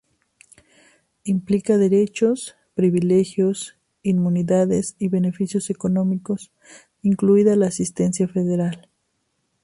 Implica derechos, privilegios, inmunidades y beneficios económicos incluida la asistencia federal.